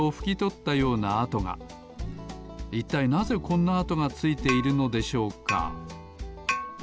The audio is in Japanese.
いったいなぜこんなあとがついているのでしょうか？